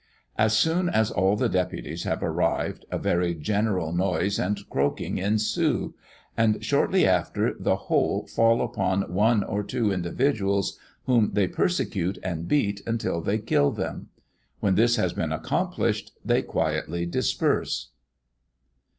As soon as all the deputies have arrived, a very general noise and croaking ensue; and shortly after, the whole fall upon one or two individuals, whom they persecute and beat until they kill them. When this has been accomplished, they quietly disperse.